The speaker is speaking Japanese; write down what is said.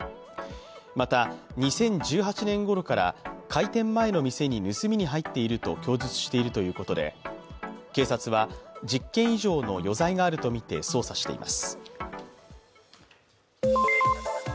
また２０１８年ごろから開店前の店に盗みに入っていると供述しているということで警察は１０件以上の余罪があるとみて捜査しています。